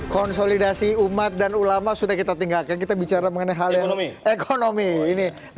konsolidasi umat dan ulama sudah kita tinggalkan kita bicara mengenai hal yang ekonomi ini